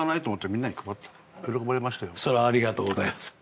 それはありがとうございます。